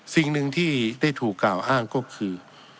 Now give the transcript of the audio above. สิ่งหนึ่งที่ได้ถูกกล่าวอ้างก็คือ